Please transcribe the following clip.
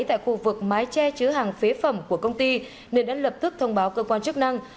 tại khu vực mái tre chứa hàng phế phẩm của công ty nên đã lập tức thông báo cơ quan chức năng